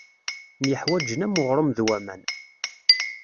Myeḥwaǧen am uɣṛum d waman.